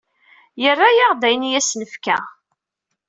Yerra-aɣ-d ayen i as-nefka.